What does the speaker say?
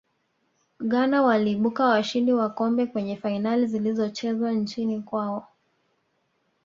ghana waliibuka washindi wa kombe kwenye fainali zilizochezwa nchini kwao